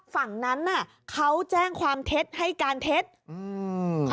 ฝั่งนั้นน่ะเขาแจ้งความเท็จให้การเท็จอืม